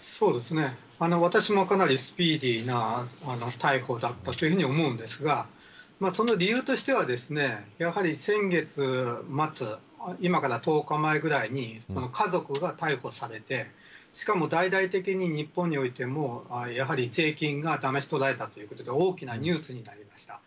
私もかなりスピーディーな逮捕だったと思うんですがその理由としてはですねやはり先月末今から１０日前ぐらいに家族が逮捕されてしかも、大々的に日本においてもやはり税金がだまし取られたということで大きなニュースになりました。